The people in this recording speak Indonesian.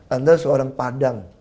anda seorang padang